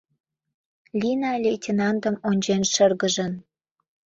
— Лина, лейтенантым ончен, шыргыжын.